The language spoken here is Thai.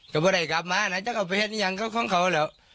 กับพ่อได้กลับมานะจากเอาไปเห็นอย่างก็ข้องเขาแล้ว